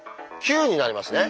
９になりますね。